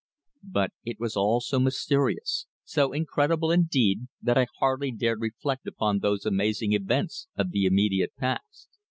But it was all so mysterious, so incredible indeed, that I hardly dared reflect upon those amazing events of the immediate past.